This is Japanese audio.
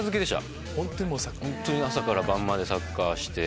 朝から晩までサッカーして。